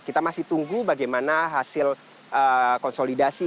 kita masih tunggu bagaimana hasil konsolidasi